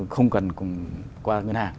không cần qua ngân hàng